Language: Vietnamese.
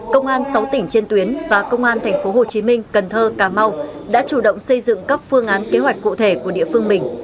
công an sáu tỉnh trên tuyến và công an tp hcm cần thơ cà mau đã chủ động xây dựng các phương án kế hoạch cụ thể của địa phương mình